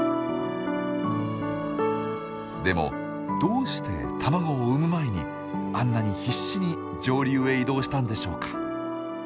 でもどうして卵を産む前にあんなに必死に上流へ移動したんでしょうか？